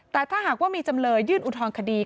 แต่ถ้าหากว่ามีจำเลยยื่นอุทธรณคดี